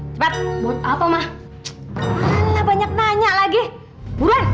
cepat buat apa mah banyak nanya lagi buron